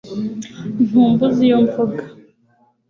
Ntumbuza iyo mvuga